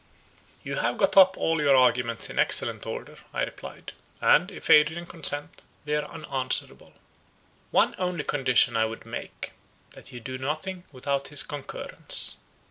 "You have got up all your arguments in excellent order," I replied; "and, if Adrian consent, they are unanswerable. One only condition I would make, —that you do nothing without his concurrence."